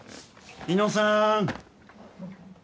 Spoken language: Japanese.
猪野さん。